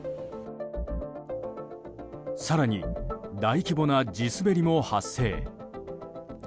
更に大規模な地滑りも発生。